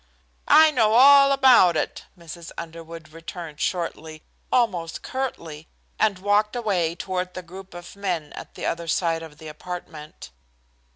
"I know all about it," Mrs. Underwood returned shortly, almost curtly, and walked away toward the group of men at the other side of the apartment.